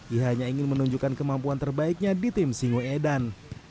ia hanya ingin menunjukkan kemampuan terbaiknya di tim singoedan